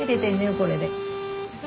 これで。